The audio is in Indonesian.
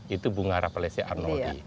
itu bunga rapalesia arnoldi